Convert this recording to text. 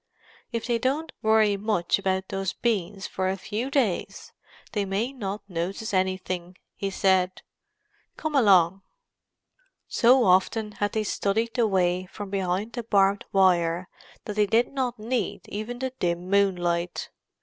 "If they don't worry much about those beans for a few days they may not notice anything," he said. "Come along." So often had they studied the way from behind the barbed wire that they did not need even the dim moonlight.